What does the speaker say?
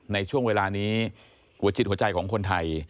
ในช่วงเวลานี้หัวจิตหัวใจของคนไทย